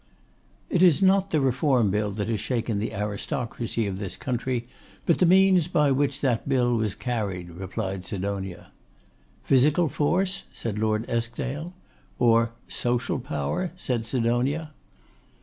'It is not the Reform Bill that has shaken the aristocracy of this country, but the means by which that Bill was carried,' replied Sidonia. 'Physical force?' said Lord Eskdale. 'Or social power?' said Sidonia.